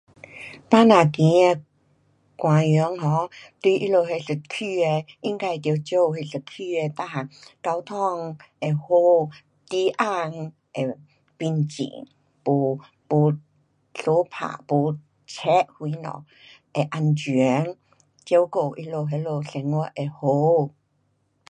百姓选的官员 um 对他们那一区的，应该得照顾那一区的全部交通会好，治安会平静。没，没相打，没贼什么，会安全，照顾他们那里生活会好。